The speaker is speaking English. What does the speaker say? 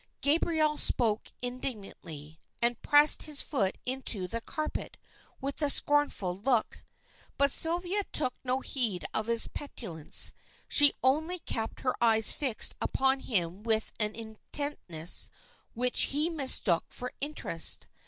Gabriel spoke indignantly, and pressed his foot into the carpet with a scornful look. But Sylvia took no heed of his petulance, she only kept her eyes fixed upon him with an intentness which he mistook for interest.